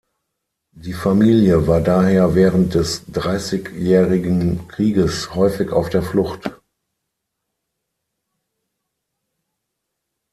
Die Familie war daher während des Dreißigjährigen Krieges häufig auf der Flucht.